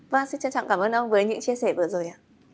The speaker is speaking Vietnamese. và xin trân trọng cảm ơn ông với những chia sẻ vừa rồi